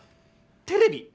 テレビ？